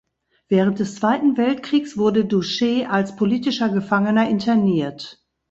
Während des Zweiten Weltkriegs wurde Doucet als politischer Gefangener interniert.